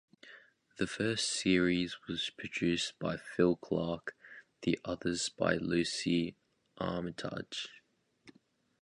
The first series was produced by Phil Clark; the others by Lucy Armitage.